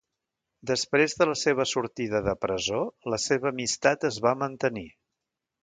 Després de la seva sortida de presó, la seva amistat es va mantenir.